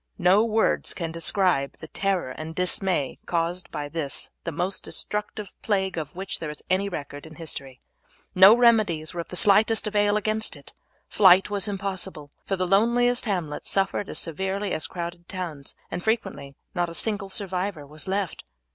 No words can describe the terror and dismay caused by this the most destructive plague of which there is any record in history. No remedies were of the slightest avail against it; flight was impossible, for the loneliest hamlets suffered as severely as crowded towns, and frequently not a single survivor was left.